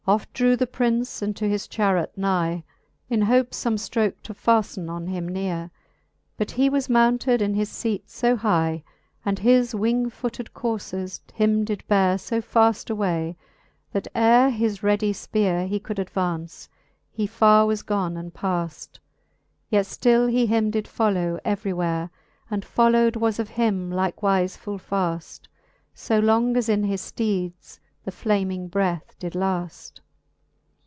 oft drew the Prince unto his charret nigh, In hope fome ftroke to faften on him neare j But he was mounted in his feat fo high, And his wingfooted courfers him did beare So faft: away, that ere his readie fpeare He could advance, he farre was gone and paft. Yet ftill he him did follow every where, And followed was of him likewife full faft ; So long as in his fteedes the flaming breath did laft.